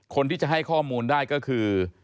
คนที่จะให้ข้อมูลได้ก็คือ